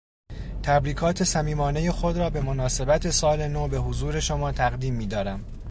تبریکات صمیمانهٔ خود را به مناسبت سال نو بحضور شما تقدیم میدارم.